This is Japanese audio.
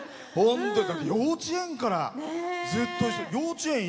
幼稚園からずっと一緒。